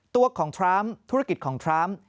ตัวของทรัมป์ธุรกิจของทรัมป์